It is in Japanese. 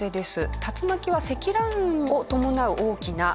竜巻は積乱雲を伴う大きな風の渦。